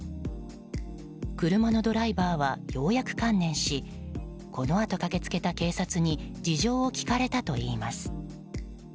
車のドライバーはようやく観念しこのあと駆けつけた警察に事情を聴かれたといいます。